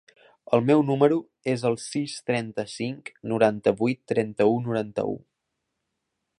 El meu número es el sis, trenta-cinc, noranta-vuit, trenta-u, noranta-u.